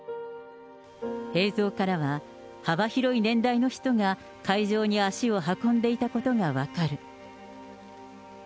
映像からは、幅広い年代の人が会場に足を運んでいたことが分かる。